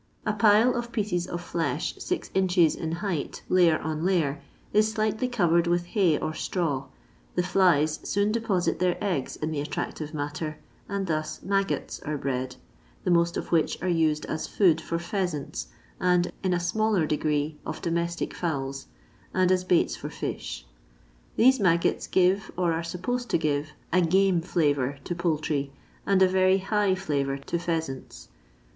A pile of pieces of flesh, six inches in height, layer on layer, is slightly covered with hay or straw ; the flies soon deposit their eggs in the attractive matter, and thus maggots are bred, the most of which are used as food for pheasants, and in a smaller degree of domestic fowls, and as baits for fish. These maggots give, or are supposed to give, a "game flavour" to poultry, and a very *' hi^h " flavour to pheasants.